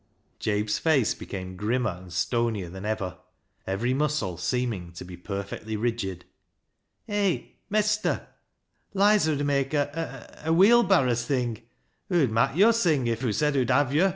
Jabe's face became grimmer and stonier than ever, every muscle seeming to be perfectly rigid. " Hay, mestur, Lizer 'ud mak' a — a — a — wheel barrow sing. Hoo'd mak' j'o' sing if hoo said hoo'd hev yo'."